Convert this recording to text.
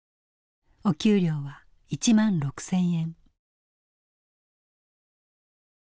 お給料は１６，０００円。